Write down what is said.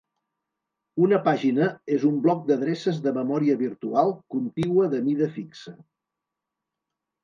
Una pàgina és un bloc d'adreces de memòria virtual contigua de mida fixa.